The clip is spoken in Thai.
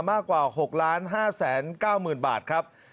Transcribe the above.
มากกว่า๖๕๙๐๐๐บาทครับ